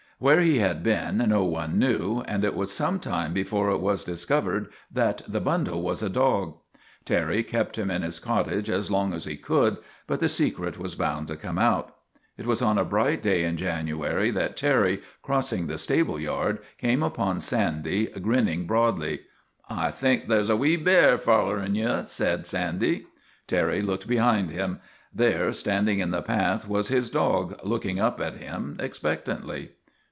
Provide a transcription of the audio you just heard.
Where he had been no one knew, and it was some time before it was discovefed that the bundle was a dog. Terry kept him in his cottage as long as he could, but the secret was bound to come out. It was on a bright day in January that Terry, crossing the stable yard, came upon Sandy, grinning broadly. " I think there 's a wee bear follerin' ye," said Sandy. Terry looked behind him. There, standing in the path, was his dog, looking up at him expectantly.